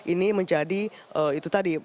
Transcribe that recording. ini menjadi itu tadi